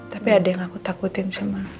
tapi ada yang aku takutin sama